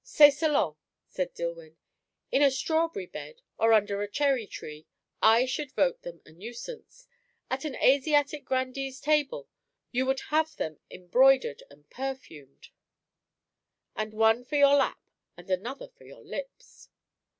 "C'est selon," said Dillwyn. "In a strawberry bed, or under a cherry tree, I should vote them a nuisance. At an Asiatic grandee's table you would have them embroidered and perfumed; and one for your lap and another for your lips."